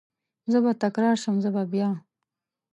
زه به تکرار شم، زه به بیا،